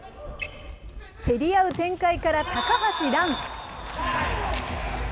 競り合う展開から高橋藍。